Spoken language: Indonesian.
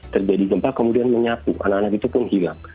terjadi gempa kemudian menyapu anak anak itu pun hilang